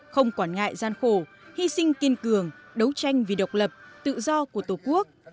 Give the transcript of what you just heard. không quản ngại gian khổ hy sinh kiên cường đấu tranh vì độc lập tự do của tổ quốc